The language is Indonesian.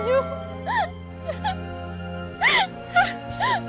apa yang terjadi